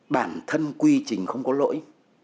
bản thân quy trình không có lỗi